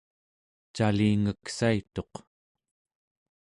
calingeksaituq